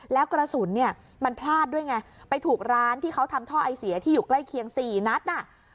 แล้วกระสุนเนี่ยมันพลาดด้วยไงไปถูกร้านที่เขาทำท่อไอเสียที่อยู่ใกล้เคียง๔นัดน่ะ